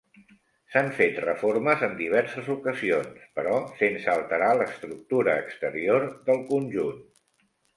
S'han fet reformes en diverses ocasions però sense alterar l'estructura exterior del conjunt.